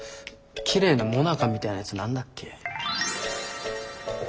きれいなモナカみたいなやつ何だっけ？